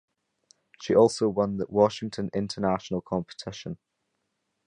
She also won the Washington International Competition.